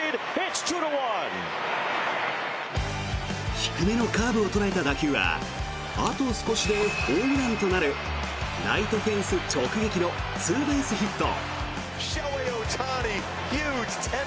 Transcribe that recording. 低めのカーブを捕らえた打球はあと少しでホームランとなるライトフェンス直撃のツーベースヒット。